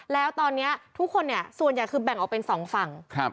แล้วตอนนี้ทุกคนเนี่ยส่วนใหญ่คือแบ่งออกเป็นสองฝั่ง